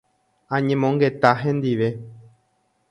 Añemongeta hendive.